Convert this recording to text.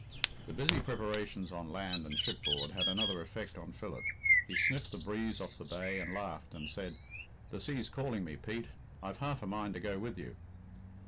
The busy preparations on land and shipboard had another effect on Philip. He sniffed the breeze off the bay and laughed, and said, "The sea's calling me, Pete; I've half a mind to go with you."